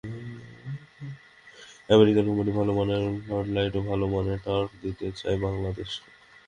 American কোম্পানির ভালো মানের ফ্লাডলাইট এবং ভালো মানের টার্ফ দিতে চাই বাংলাদেশকে।